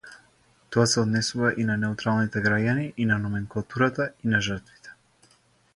Тоа се однесува и на неутралните граѓани, и на номенклатурата, и на жртвите.